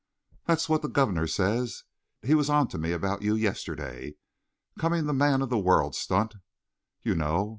"That's what the governor says. He was on to me about you yesterday. Coming the man of the world stunt, you know.